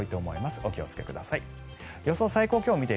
お気をつけください。